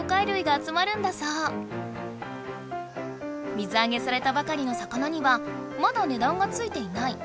水あげされたばかりの魚にはまだ値段がついていない。